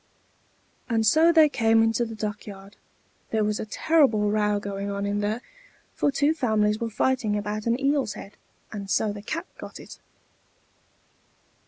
And so they came into the duck yard. There was a terrible row going on in there, for two families were fighting about an eel's head, and so the cat got it.